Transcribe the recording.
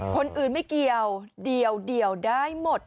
คนอื่นไม่เกี่ยวเดี่ยวได้หมด